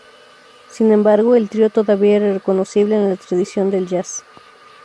Sin embargo, el trío todavía era reconocible en la tradición del jazz.